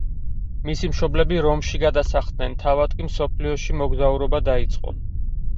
მისი მშობლები რომში გადასახლდნენ, თავად კი მსოფლიოში მოგზაურობა დაიწყო.